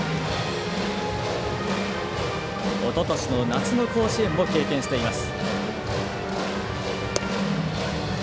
おととしの夏の甲子園も経験しています。